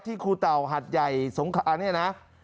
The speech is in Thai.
ที่ครูเตาหัดใหญ่สงขาอันนี้นะ